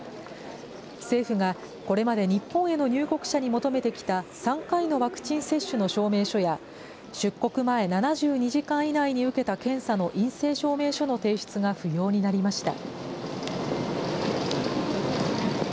政府がこれまで日本への入国者に求めてきた３回のワクチン接種の証明書や、出国前７２時間以内に受けた検査の陰性証明書の提出が不要になりました。